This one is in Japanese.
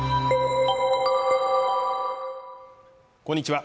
こんにちは